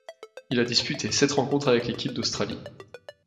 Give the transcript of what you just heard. Il a disputé sept rencontres avec équipe d'Australie.